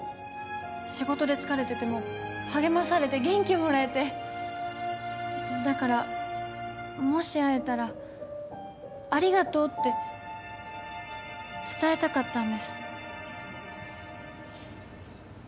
仕事で疲れてても励まされて元気をもらえてだからもし会えたらありがとうって伝えたかったんです